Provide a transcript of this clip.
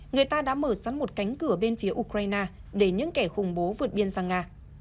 người ta đã mở sắn một cánh cửa bên phía ukraine để những kẻ khủng bố vượt biên sang nga